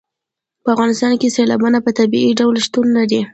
په افغانستان کې سیلابونه په طبیعي ډول شتون لري.